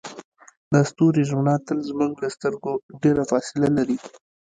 د ستوري رڼا تل زموږ له سترګو ډیره فاصله لري.